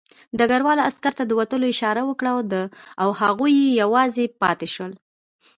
ډګروال عسکر ته د وتلو اشاره وکړه او هغوی یوازې پاتې شول